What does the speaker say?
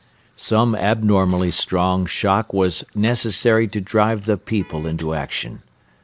Some abnormally strong shock was necessary to drive the people into action.